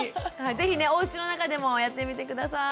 是非ねおうちの中でもやってみて下さい。